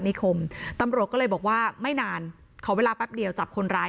นิคมตำรวจก็เลยบอกว่าไม่นานขอเวลาแป๊บเดียวจับคนร้าย